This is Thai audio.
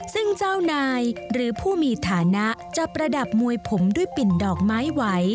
ซึ่งเจ้านายหรือผู้มีฐานะจะประดับมวยผมด้วยปิ่นดอกไม้ไหว